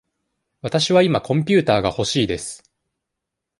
わたしは今コンピューターがほしいです。